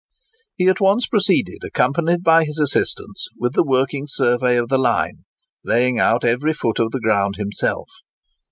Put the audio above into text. He at once proceeded, accompanied by his assistants, with the working survey of the line, laying out every foot of the ground himself.